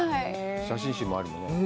写真集もあるんでね。